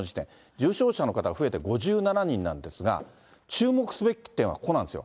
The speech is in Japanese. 重症者の方が増えて５７人なんですが、注目すべき点はここなんですよ。